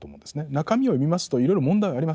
中身を見ますといろいろ問題はあります。